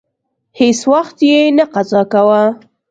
هیڅ وخت یې نه قضا کاوه.